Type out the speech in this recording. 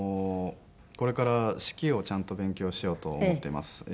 これから指揮をちゃんと勉強しようと思っています。